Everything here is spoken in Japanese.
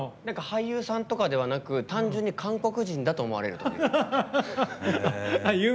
俳優さんとかではなくて韓国人だと思われることが。